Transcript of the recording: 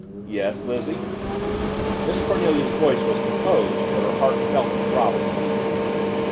"Yes, Lizzie?" Miss Cornelia's voice was composed but her heart felt a throb of relief.